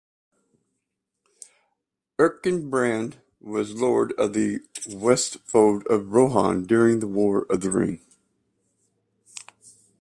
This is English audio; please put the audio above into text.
Erkenbrand was lord of the Westfold of Rohan during the War of the Ring.